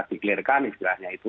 diklerikan istilahnya itu